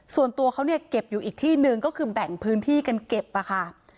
ส่วนตัวเขาเนี่ยเก็บอยู่อีกที่หนึ่งก็คือแบ่งพื้นที่กันเก็บอะค่ะ